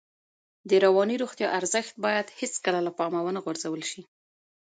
د رواني روغتیا ارزښت باید هېڅکله له پامه ونه غورځول شي.